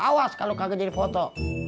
awas kalau kagak jadi foto